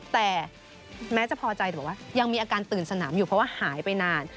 แต่แม้จะพอใจหรือว่ายังมีอาการตื่นสนามอยู่เพราะว่าหายไปนาน